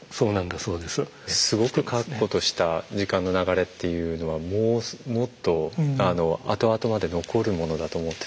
すごく確固とした時間の流れっていうのはもうもっと後々まで残るものだと思ってたんですけど。